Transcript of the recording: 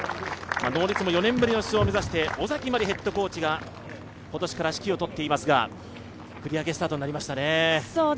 ノーリツも４年ぶりの出場を目指して小崎まりヘッドコーチが今年から指揮を執っていますが、繰り上げスタートになりましたね。